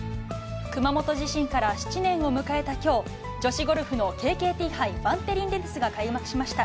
熊本地震から７年を迎えたきょう、女子ゴルフのＫＫＴ杯バンテリンレディスが開幕しました。